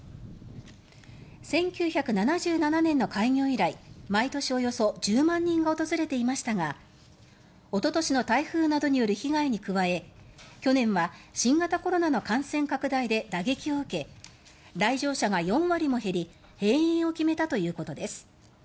１９７７年の開業以来毎年およそ１０万人が訪れていましたがおととしの台風などによる被害に加え去年は新型コロナの感染拡大で打撃を受け来場者が４割も減り閉園を決めたということです。